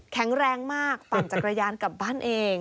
แข็งแรงมากปั่นจักรยานกลับบ้านเอง